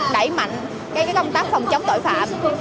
đẩy mạnh cái công tác phòng chống tội phạm